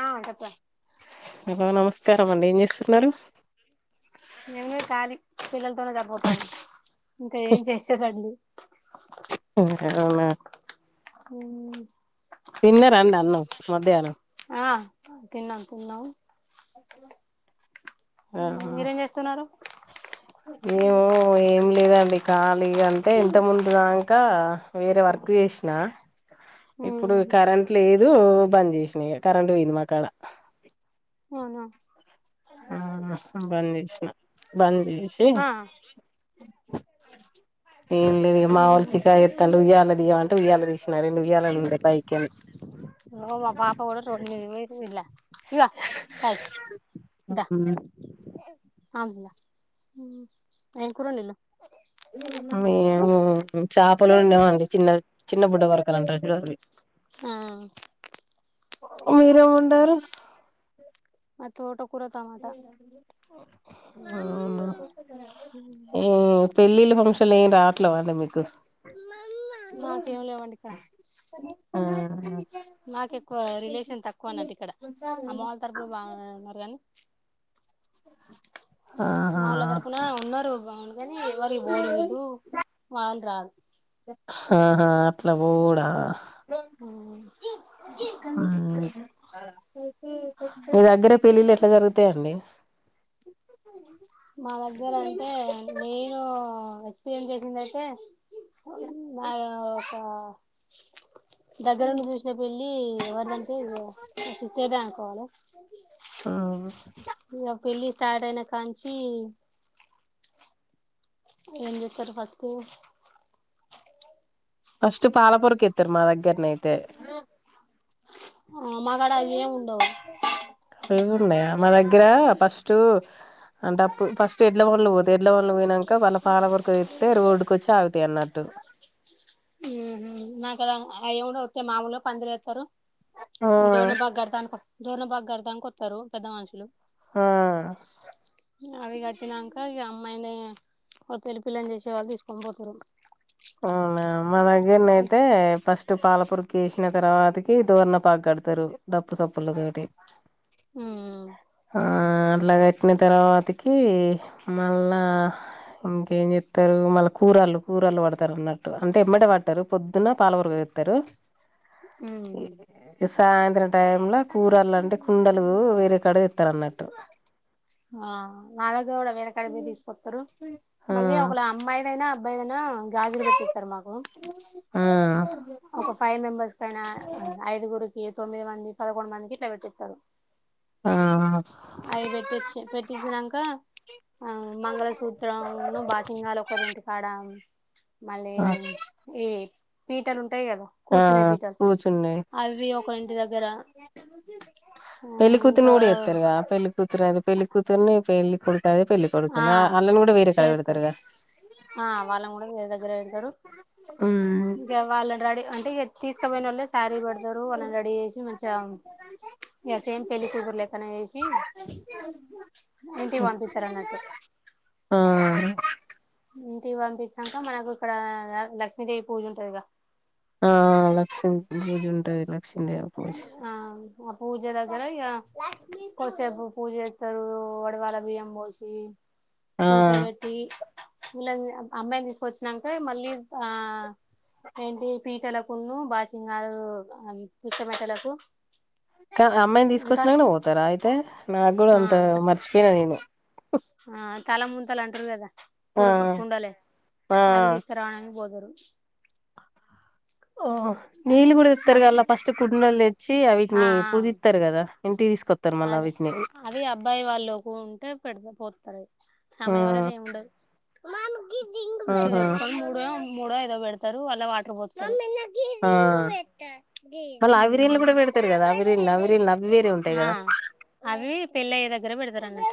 ఆ చెప్పరా ఇప్ప నమస్తే కారం అండి ఏం చేస్తున్నారు పిల్లలు పనే సరిపోతుంది ఇంకా చేసేటట్టు లేదు అవునా హ పన్న రండ అన్నం మధ్యహనం ఆ తిన్నాను తిన్నావు మీరేం చేస్తున్నారు ఏమో ఏం లేదండి ఖాళీ అంటే ఇంత ముందు దాక వేరే వర్క్ చేసినా ఇప్పుడు కరెంట్ లేదు బంద్ చేసిన ఇగ కరెంట్ పోయింది మాకాడ అవునా బంద్ చేసిన బంద్ విష ఆ ఏంటిది మా వాళ్ళు చికాక్ ఇగో చేస్తారు ఉయ్యాల తియ్యమంట ర విలినెండు విల పాప కూడా రమి ఇల్ ఇగో కాయ్ దా ఆమ్ ఏం కూర వండినవ్ మేము చేపలు ఉండేవాండి చిన్న చిన్న బుడ్డ వొరకలు అంతారు చ హామ్ మీరేం వండారు మా తోట అవునా ఏ పళ్లి ఫంక్షలు ఏం రావట్లే అండి మీకు మాకేం లేవండి ఇక్కడ ఆ నాకు ఎక్కువ రిలేషన్ తక్కువ అన్నట్టు ఇక్కడ అమ్మ వాళ్ళ తరపు బాగున్నారు కానీ ఆహా మా వాళ తరపున ఉన్నారు కానీ ఎవరికి పోరు వీళ్లు వాళ్ళు రారు ఆహా అట్లా కూడాడ ఆ అ మీ దగ్గరే పెళ్లిలి ఎ జరుతే అండి మా దగ్గర అంటే నే నేను ఎక్స్పీరియన్స్ చేసిందియితే నా ఒక దగ్గరుండి చూసినా వెళ్ళి వర్ళంటేడా కాలజ ఆ పెళ్లి స్టార్ట్ అయినా కా చీ ఏం చెస్తారు ఫస్ట్ ఫస్ట్ పాలపరకి ఎత్తారు మా దగ్గరనయితే మగాడ ఏమి ఉండవు ఇవీ కూడా ఉన్నాయా మ అగ్ర పస్ట్ అంటే అప్పుడు ఫస్ట్ ఎడ్ల బండ్లు పోతయ్ ఎడ్లబండ్లు పోయినాక వాళ్ళ పాలవరకు ఎత్తే రోడ్డుకు వచ్చి ఆగుతాయి అన్నట్టు మాక్కడ అడుతే మాములు పందరు వేస్తారు డోర్నపాక్ కడతానికి డోర్నపాక కడతానికి వస్తారు పెద్ద మనుషులు ఆ ఆ అవి కట్టినాంక అమ్మాయిని పెళ్లి పిల్లని చేసే వాళ్ళు తీసుకొని పోతారు అవునా మా తర్వాతకి డోర్నపాకు కడతారు డప్పు సప్పుల్లా తోటి ఊ ఆ అట్లా కట్టిన తర్వాతకి మళ్ళా ఇంకేం చెప్తారు మళ్ళా కూరళ్లు కూరలు పడుతారు అన్నట్టు అంటే ఎమ్మటే పట్టారు పొద్దున పాలవరగ [unintelligible] తరు మ్ సాయంత్రం టైం లో కూరలు అంటే కుండలు వేరే కాడ తెత్తారన్నట్టు ఆ నాలగ్ వేరకాడి పొయ్ తీసుకొస్తారు ఆ మళ్ళీ ఒక అమ్మాయిదైనా బ ఆ గాజులు పెట్టిత్తారు మాకు ఆ ఒక ఫైవ్ మెంబర్స్కైనా ఐదుగురు ఈ తొమ్మిది మంది పదకొండు మందికి ఇట్లా పెట్టిస్తారు ఆ పెట్టించినంక ఆ మంగళసూత్రం ను బాసింగాలు ఒకరింటి కాడ మళ్ళీ ఆ ఏ పీటలుం టాయి కదా ఆ కూర్చునే పీటలు కూర్చున్నాయి అవి ఒకరింటి దగ్గర ఆ ఇంకా కూతురది పెళ్లి కూతుర్ని పెళ్ళి కొడుకు అది పెళ్లి ఆ కొడుకుని ఆళ్ళని కూడా వేరే కాడ చేస్తారు పెడతారుగా ఆ వాళ్ళని కూడా వేరే దగ్గర పెడతారు ఉమ్ ఇంకా వాళ్ళని రడీ అ తీసుకపోయినోళ్ళే శారీ పెడతారు వాళ్ళని రెడీ చేసి మంచిగా యా సేమ్ పెళ్ళ కుతురు లెక్కనే చేేసి ఇంటికి పంపిత్తారన్నట్టు ఆ ఇంటికి పంపించాక మనకు ఇక్కడ లక్ష్మీదేవి పూజ ఉంటదిగా ఆ లక్ష్మి [unintelligible] ఉంటలే ఆ ఆ [unintelligible] పూజ దగర ఇగ కొసేపు పూజ చేత్తారు వొడవాల బియ్యంబోశి ఆ ఉడుక పెట్టి వీళ్ళని అమ్మాయిని తీసుకొచ్చినాంక మళ్ళీ ఆ ఏంటి పీటల కున్ను బాసింగా [unintelligible] విచ్చమట్టలకు కా అమ్మాయిని తీసుకొచ్చినాకనే పోతారా అయితే నా ఆ అంత మరిచపోయినా నేను ఆ తల ముంతలంటరు కదా ఆ కుడు కుండలే అవి ఆ తీస్కరావడానికి పోతుర్రు నీళు కూడా ఇస్తారు గా అవి ఫస్ట్ కుడ్నల్ చ్చి ఆ అవిటిని ఆ పూజిత్తారు కదా ఇంటికి తీసుకొత్తరు మళ్ళా అదే వీటిని అది అబ్బాయి వాళ్ళుకి ఉంటే పెడత పోతారు ఆ అమ్మాయి వాళ్ళదేముండదు [unintelligible] ఇట్ల ఆహా తెచ్చుకొని మూడు మూడో ఐదో పెడతారు వాళ్ళ వాటర్ పోత్తారు. ఆ అల అవిరీలు కూడా పెడతారు కదా అవిరిల్ అవిరల్ అవిేరే ఉంట్ ఆ అవి పెళ్ళయ్యే దగ్గర పెడతారనాటు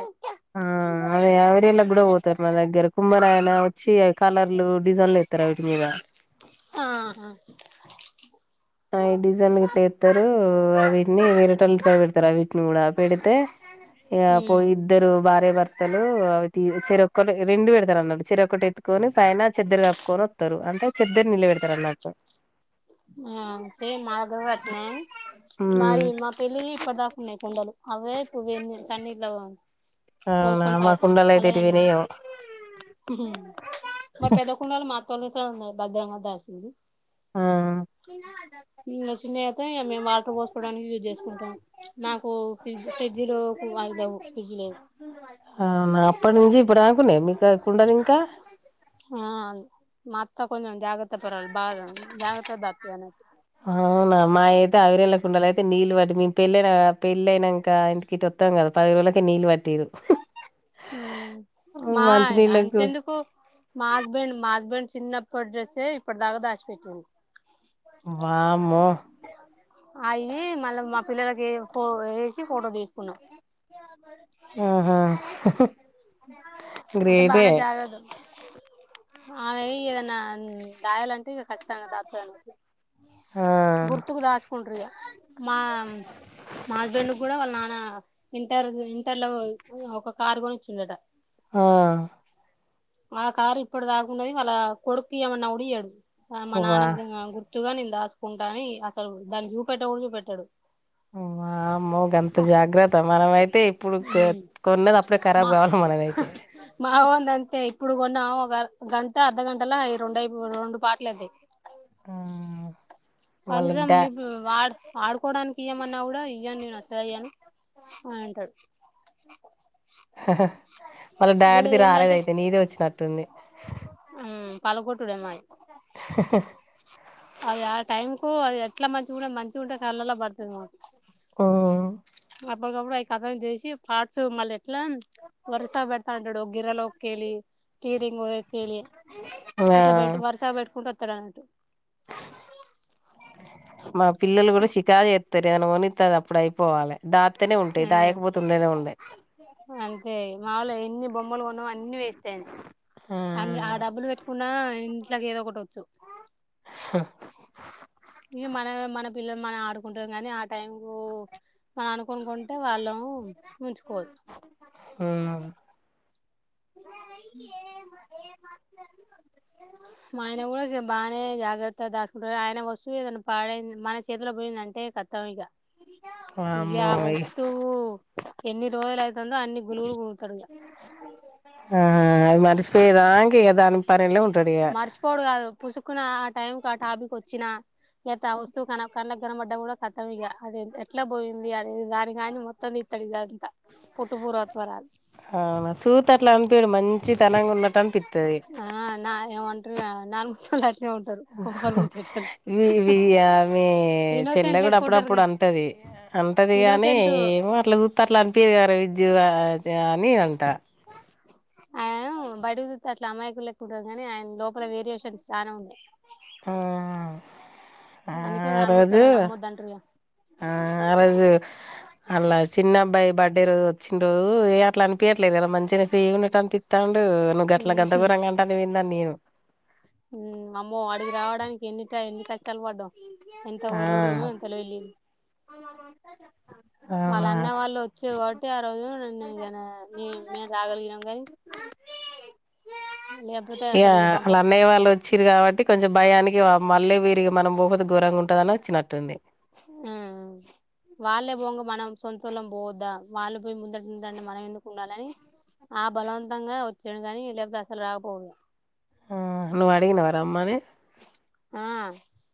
ఆ కుమ్మరాయినావ్ చి కలర్లు డిజన్లు ఏత్తారా ఆవీటి మీద. ఆహా ఆ డిజైన్లు ఇట్లా ఎస్తారు అ వీటిని వేరేటోళ్ళఇంటికడ పెడతారు అ వీటిని కూడా పెడితే! ఈగ పో ఉమ్ ఇద్దరు భార్య భర్త తలు అవి చెరొక్కల్లు రెండు పెడతారు అన్నట్ చెరొక్కటి ఎత్తుకొని పైన చేద్దరు కప్పుకొని వత్తరు అంటే చెద్దరు నిలపబెడతరానాటు. ఆ సేమ్ మా దగ్గర కూడ ఆట్నే మా ఉమ్ మా పెళ్ళి ఇప్పటి దాకున్నాయి కుండలు అవే ఇ సన్నీళ్లు. అవునా పోసుకొని మా తాగుతామ్ కుండలు అయితే ఎటు అలాగనే పోయినాయో మ పెద్ద కుండలో మా తోలితే ఉన్నాయి బద్రాంగధ అసింది ఆ ఉమ్ వచ్చినాక ఇక మేము వాటర్ పోసుకోవడానికి యూజ్ చేసుకుంటాం మాకు ఫ్రిడ్జ ఫ్రిడ్జ్ లో కు అయి అలేవు ఫ్రిడ్జ్ లేద అప్పటినుంచి ఇప్పటి నుంచి ఇప్పుడు అకునే మీకా ఎక్కుండను ఇంకా. ఆ మాత్త కొంచం జాగ్రత్త పరురాలు బాగ జాగ్రత్తగా దాత్తుంది అన్నిమా అవునా పెళ్ళనా పెళ్ళ అయినాక ఇంటికి ఇొత్తం కాదు పాధైదు రోజులకె నీళ్ళు పట్టటిరు. మా నీళ్ళకు అంతెందుకు మా హస్బెండ్ మా హస్బెండ్ చిన్నప్పటి డ్రస్సే ఇప్పటి దాకా దాచిపెట్టిండు వామ్మో ఆయి ఫోటో తీసుకున్నాం ఆహా అంటే గ్రేటే బానే జాగ్రాత ఆమె ఏదన్నా దయాలంటే ఇ కఖచ్చితంగాా ధాప్ ఆ గుర్తుకు దాచుకుంట్రగా మా మా హస్బెండ్ కూడా వాళ్ళ నాన్న. ఇంటర్ ఇంటర్ లో ఒక కారు కొనీ చిన్నట ఆ ఆ కారు ఇప్పుడు దాకుండది వాళ్ళ కొడుక్కియ్యమన్నా కూడియ్యడు. ఆ మా వా నాన్నఇగా గుర్తుగా ని దాసుకుంటా అని అసలు దాని జూ పెట్ట కూడా చూపెట్టాడు. వమో గంత జాగ్రత్త మనమై ఐతే ఇప్పుడు కొన్నదఆప్పుడే మా ఖరాబ్ కావాలి మనదైతే మా వాంది అంతే ఇప్పుడు కొన్న ఒక గంట అర్ధగంటలా ఐయి రెండు పార్టీలైతే ఆ! వాళ్ళకి కనీసం డా మీ వాడ్ ఆడుకోవడానికి ఇమన్నా కూడా ఇయవ్వను నేను అసలు ఇయ్యాను అంటాడు హహా వాళ్ళ డాడిది వీళ్ళది ఏందంటే రాలేదయితే నీదే వచ్చినట్టుంది పలగొట్టుడే మాది అది ఆ టైం కు అది ఎట్లా మంచిగా ఉంటే మంచిగాంటే కళ్ళల్లో పడుతుంది మాకు ఓ అప్పటికప్పుడు ఆవి కథం చేసి పార్ట్స్ మళ్ళీ ఇట్లా వరుస పెడతా అంటాడు ఒక గిర్రెలోేళ్ళి స్టీరింగ్క్కేళ్ళి ఆ ఇట్లాట వరుస పెట్టుకుంటూ [unintelligible] మా పిల్లలు కూడా షికారూ చేస్తారు అని [unintelligible] స్తది అప్పుడు అయిపోవాలి దా ఉమ్ ఆ అంతే మాములు ఎన్ని బొమ్మలు కొన్నామో అన్ని వేస్ట్ అయినాయి ఆ! అ ఆ డబ్బులు పెట్టుకున్నా ఇట్లాగ ఏదో ఒకటి వచ్చు [unintelligible] ఇగ మన మన పిల్లలు మనం ఆడుకుంటాం కానీ ఆ టైం కు మనం అనుకుకుంటే వాళ్ళు ఉంచుకోరు హ్మ్. [inaudible] మా ఆయన కూడా బాగానే జాగ్రత్త దాసుకుంటారు ఆయన వస్తువు ఏద పాడైంది మన చేతిలో పోయింద అంటే ఖత్ తం ఇంకా ఇంకా వామ్మో ఆ ఇగ వస్తువు ఎన్ని రోజులు అవుతుందో అన్ని గులుగులు గులుతాడు మరచిపోయేదంక ఏ దానికి మర్చిపోడు కాదు పుసుకున ఆ టైం క టాపిక్ వచ్చినా లేత వస్తువు కనులకు కనపడ్డ కూడా కతం ఇగా అది ఎట్లా పోయింది అది దాని కాని మొత్తం తీస్తాడు ఇళ్ల అంత పుట్టు పూర్వ తరా అవునా చూస్తే అట్లా అనిపీడు మంచి తనంగా ఉన్నట్టు అనిపిస్త ఆ నా [unintelligible] [unintelligible] కొంపలు ముంచేటోళ్ళు ఇగో ఈ మీ చెల్లె ఇన్నోసెంట్ కూడా లెక్క ఉంటారు అప్పుడప్పుడు గా అంటది అంటది గాని ఇన్నోసెంట్ ఏమో అట్లా చూస్త అట్లా అనిపిది క జీవ నీ అంట ఆయన బడితో అట్లా అమాయికు లేకు ఉంటారు కానీ ఆయన లోపల వేరియేషన్స్ చాలా ఉన్నాయి ఆ ఆ అందుకే నాన్ రోజు ముచ్చోళ్ళని నమ్మొద్దు అంటారుగా ఆ ఆ రోజు అలా చిన్న అబ్బాయి బర్త్డే రోజు వచ్చినారు ఏ అట్లా అనిపించట్లేదు కదా మంచిగానే ఫ్రీగా ఉండట్టు అనిపిస్తాం నువ్వు గట్ల గంతగరంగా అంటా నా నేను హ అమ్మో అడిగి రావడానికి ఎన్ని ఎన్ని క కష్టాలు పడ్డం ఎంత వర్రుడుో ఆ ఎంతలో వెళ్లి వాళ్ళ అన్న అవునా వాళ్ళు వచ్చే కాబట్టి ఆ రోజు నే మేము రాగలిగానం కానీ లేకపోతే ఇయా అసలు ఇగ పంప అలా అన్నయ్య వాళ్ళు వచ్చారు కాబట్టి కొంచెం భయానికి మళ్ళీ వీరికి మనం పోకపోతే ఘోరంగా ఉంటుందని వచ్చినట్టుంది ఆ వాళ్ళే పోంగా మనం సొంతూలం పోద్దా వాళ్ళు పోయి ముందంటే మనం ఎందుకు ఉండాలని ఆ బలవంతంగా వచ్చాడు కాని లేకపోతే అసలు రాకపోదు ఆ నువ్వు అడిగినవా రమ్మని ఆ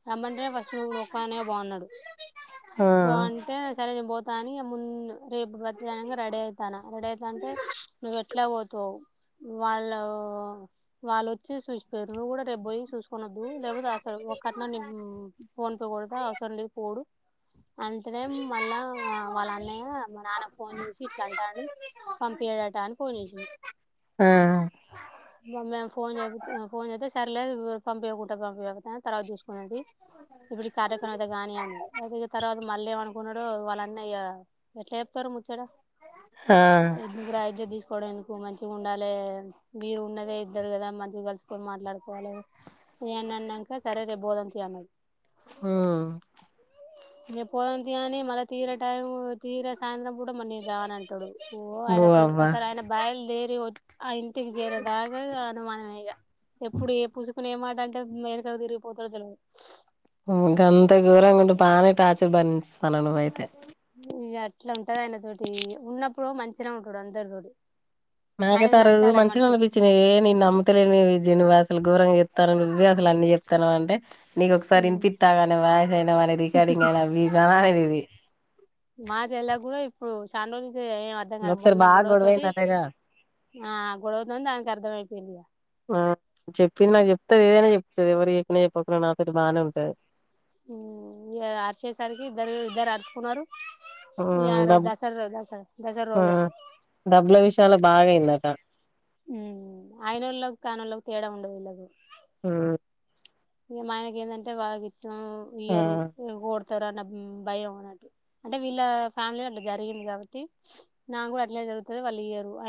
రమ్మంటే ఫస్ట్ నువ్వు ఒక్కదనివే పో అన్నాడు ఆ పో అంటే సరే పోత సానీయ మున్ రేపు బర్త్డే అన్నగా రెడీ అవుతన్నా రెడీ అవుతానంటే నువ్వు ఎట్లా పో [unintelligible] వాళ్ళ వాళ్ళుచ్చి చూసిపోరు నువ్వు కూడా రేపు పోయి చూ కొనద్దు లేకపోతే అసలు ఒక కట్నా ని ఫోన్ పే కొడదా అవసరం లేదు పోడు అంటనే మళ్ళా వాళ్ళ అన్నయ్య మా నాన్న ఫోన్ చేసి ఇట్లా అంటాడు పంపించడట అని ఫోన్ చేసింది ఆ మేము ఫోన్ చె ఫోన్ చేస్త సర్లే పంపించకుంటె పంపియపో తర్వాత చూ ది ఇప్పుడు కార్యక్రమం అయితే గాని అనేది అయి తర్వాత మళ్ళీ ఏమ అనుకున్నాడు వాళ్ళన్నయ ఎట్లా చెప్తారు ఆ [unintelligible] కోట్టుకోడం ఎందుకు మంచిగా ఉండాలి మీరు ఉన్నదే ఇద్దరు కదా మంచిగా కలుసుకొని మాట్లాడుకోవాలి నన్నాక సరే లే పోదాం అన్నది మ్ ఇంగ పోదాం తియనీ మళ తీరే టైం తీర సాయంత్రం కూడా [unintelligible] రానంటాడు ఓ ఆయనతో అసలు ఆయన బయలుదేరి వ ఆ ఇంటికి చేరే దాగా అనుమానమే ఇగ ఎప్పుడు చూసుకుని ఏమాట అంటే మెలికలు తిరిగిపోతాడు తెలవదు ఉమ్ గంత ఘోరంగా ఉంటే బానే టార్చర్ భరీస్తాన్నవ్ నువ్ అయితే ఇగ అట్లా ఉంటది ఆయన తోటి ఉన్నప్పుడు మంచిగా ఉంటాడు అందరి తోటి నాకే [unintelligible] మంచిగా అనిపించినద నే నమ్ముతలేని జీనివాస్ అసలు ఘోరంగా చెప్తనవ్ నువ్వే అసలు అన్ని చెప్తాను అంటే నీ ఒకసారి వినిపిస్తాగానే వాయస్ అయినా వా రికార్డింగ్ అయినా లేవి మాజ ఎలా కూడా ఇప్పుడు చానా రోజులు ఏం అర్థం కాదు ఒకసారి మొన్న బాగా గొడవ తోటి గొడవైందటగా ఆ గొడవతోనీ దానికి అర్థంమయిపోయింది ఇగా ఆ [unintelligible] ఏదైనా చెప్తుంది ఎవరు చెప్పినా చెప్పకపోయినా నాతోటి బానే ఉంటుంది ఉమ్ అరిచేసరికి ఇద్దరు ఇద్దరు అరుచుకున్నారు ఇగ ఆ రోజు డబ్ దసరా దసరా దసరా రోజే డబ్బుల విషయాల బాగాయింద అక ఊమ్ ఆయనోళ్ళకి కాని వాళ్ళకి తేడా ఉండదు వీళ్ళలకు మ్మ్ మనకైందంటై [unintelligible] ఇయరూ ఆ [unintelligible] అన్న భయం అంటే వీళ్ళ ఫ్యామిలీల అట్ల జరిగింది కాబట్టి నాక్ గుడా అట్లా జరుగుతది వాళ్ళు ఇయ్యరు అ